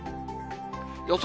予想